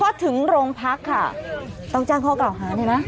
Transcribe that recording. พอถึงโรงพักค่ะต้องจ้างพ่อเก่าหาด้วยนะ